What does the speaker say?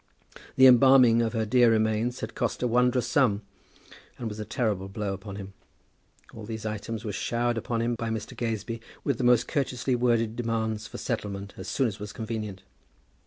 The embalming of her dear remains had cost a wondrous sum, and was a terrible blow upon him. All these items were showered upon him by Mr. Gazebee with the most courteously worded demands for settlement as soon as convenient.